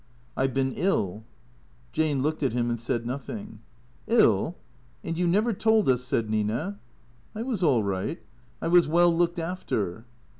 " I 've been ill." Jane looked at him and said nothing. "111? And you never told us?" said Nina. " I was all right. I was well looked after."